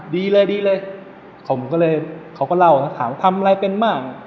ดีเลยผมก็เลยเขาก็เล่าถามว่าทำอะไรเป็นมาก